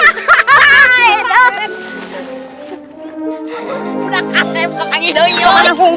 udah kasem kakang